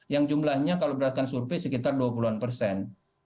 yang jumlahnya kalau berdasarkan survei sekitar dua puluh an persen